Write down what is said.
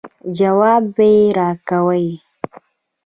ځواب به یې راکوئ.